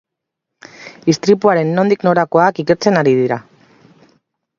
Istripuaren nondik norakoak ikertzen ari dira.